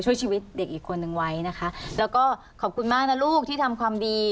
ช่วยชีวิตเด็กอีกคนนึงไว้นะคะแล้วก็ขอบคุณมากนะลูกที่ทำความดี